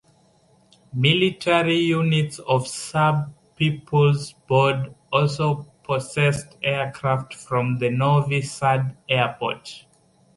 Military units of Serb People's Board also possessed aircraft from the Novi Sad Airport.